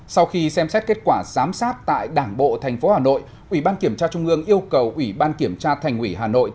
sau khi xem xét kết quả giám sát tại đảng bộ tp hà nội ủy ban kiểm tra trung ương yêu cầu ủy ban kiểm tra thành ủy hà nội